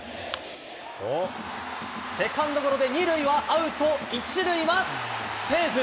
セカンドゴロで２塁はアウト、１塁はセーフ。